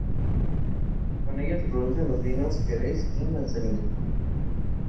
Con ella se producen los vinos jerez y manzanilla.